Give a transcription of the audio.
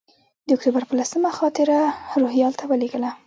د اکتوبر پر لسمه خاطره روهیال ته ولېږله.